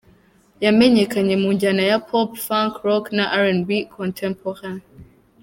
Yamenyekanye mu njyana ya Pop, Funk, Rock na R&B contemporain.